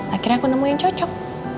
akhirnya aku nemu yang cocok